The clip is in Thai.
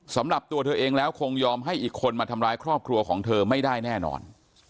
สำหรับตัวเธอเองแล้วคงยอมให้อีกคนมาทำร้ายครอบครัวของเธอไม่ได้แน่นอน